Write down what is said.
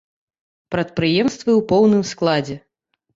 Прадпрыемствы ў поўным складзе.